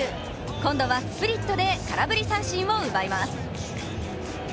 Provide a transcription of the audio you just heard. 今度はスプリットで空振り三振を奪います。